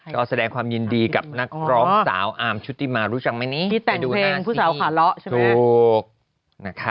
ก็แสดงความยินดีกับนักร้องสาวอาร์มชุดที่มารู้จังไหมนี่ไปดูหน้าที่นี่ถูกนะคะ